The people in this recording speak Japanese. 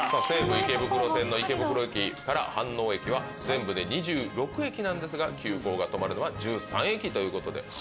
西武池袋線の池袋駅から飯能駅全部で２６駅なんですが急行が止まるのは１３駅ということで。